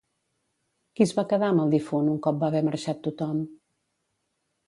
Qui es va quedar amb el difunt, un cop va haver marxat tothom?